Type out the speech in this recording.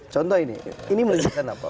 contoh ini ini menunjukkan apa